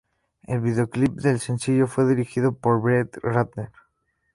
El vídeo clip del sencillo fue dirigido por Brett Ratner.